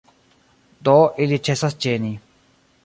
Do ili ĉesas ĝeni.